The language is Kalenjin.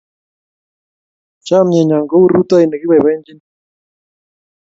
Chomye nyo kou rutoi nekipoipoenjin